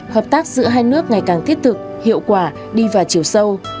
hợp tác giữa hai nước ngày càng thiết thực hiệu quả đi vào chiều sâu